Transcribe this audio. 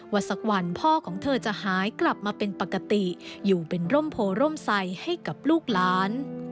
สักวันพ่อของเธอจะหายกลับมาเป็นปกติอยู่เป็นร่มโพร่มใสให้กับลูกหลาน